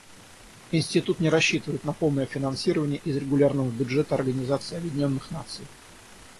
Институт не рассчитывает на полное финансирование из регулярного бюджета Организации Объединенных Наций.